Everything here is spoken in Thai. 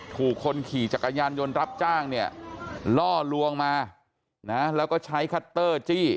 ถูกคนขี่จักรยานยนต์รับจ้างเนี่ยล่อลวงมานะแล้วก็ใช้คัตเตอร์จี้